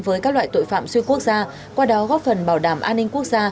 với các loại tội phạm xuyên quốc gia qua đó góp phần bảo đảm an ninh quốc gia